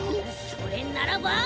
それならば。